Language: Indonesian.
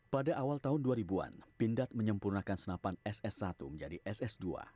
pada awal tahun dua ribu an pindad menyempurnakan senapan ss satu menjadi ss dua